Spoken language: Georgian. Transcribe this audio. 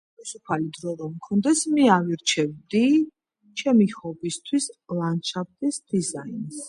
თავისუფალი დრო რომ მქონდეს მე ავირჩევდი ჩემი ჰობისთვის ლანდშაფტის დიაინს